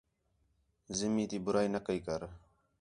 زمیں تی بُرائی نہ کَئی کر